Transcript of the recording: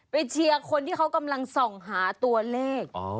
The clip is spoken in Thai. เชียร์คนที่เขากำลังส่องหาตัวเลข